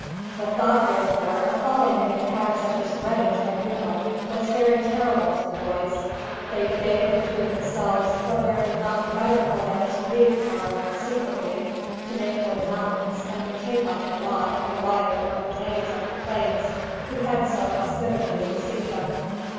The thought, therefore, of falling into the hands of this dreaded tribunal was very terrible to the boys. They debated, between themselves, whether it would not be better for them to leave Arica secretly, to make for the mountains, and to take up their lot, for life, among the natives of the plains, who had so hospitably received them.